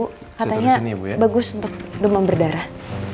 katanya bagus untuk demam berdarah